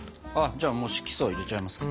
じゃあ色素入れちゃいますか。